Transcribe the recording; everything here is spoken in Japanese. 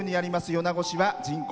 米子市は人口